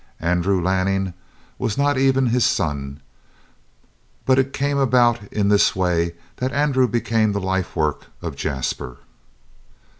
Andrew Lanning was not even his son, but it came about in this way that Andrew became the life work of Jasper.